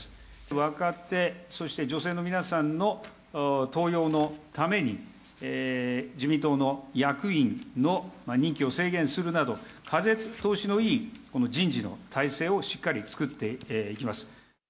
若手そして女性の皆さんの登用のために、自民党の役員の任期を制限するなど、風通しのいいこの人事の体制をしっかり作っていきます。